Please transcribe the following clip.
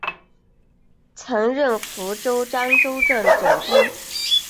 曾任福建漳州镇总兵。